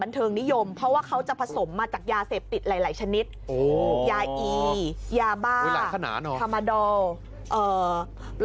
บันเทิงนิยมเพราะว่าเขาจะผสมมาจากยาเสพติดหลายชนิดยาอียาบ้าธามาดอล